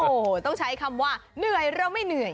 โอ้โหต้องใช้คำว่าเหนื่อยเราไม่เหนื่อย